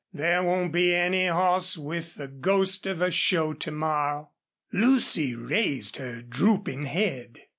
There won't be any hoss with the ghost of a show to morrow." Lucy raised her drooping head.